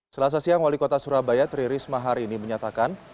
selasa siang wali kota surabaya tri risma hari ini menyatakan